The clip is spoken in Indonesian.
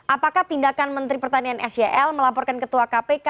apakah tindakan menteri pertanian sel melaporkan ketua kpk